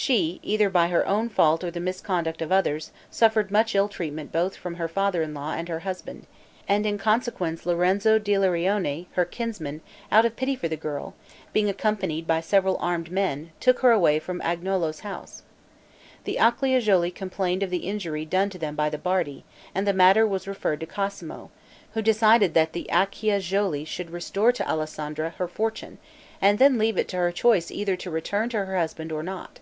She, either by her own fault or the misconduct of others, suffered much ill treatment both from her father in law and her husband, and in consequence Lorenzo d' Ilarione, her kinsman, out of pity for the girl, being accompanied by several armed men, took her away from Agnolo's house. The Acciajuoli complained of the injury done them by the Bardi, and the matter was referred to Cosmo, who decided that the Acciajuoli should restore to Alessandra her fortune, and then leave it to her choice either to return to her husband or not.